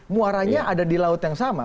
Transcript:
muaranya ada di laut yang sama